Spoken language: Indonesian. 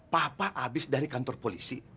papa habis dari kantor polisi